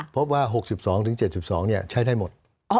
พบว่า๖๒๗๒ใช้ได้หมด